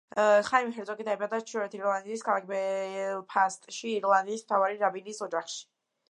ხაიმ ჰერცოგი დაიბადა ჩრდილოეთ ირლანდიის ქალაქ ბელფასტში ირლანდიის მთავარი რაბინის ოჯახში.